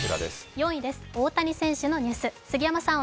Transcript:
４位です、大谷選手のニュース。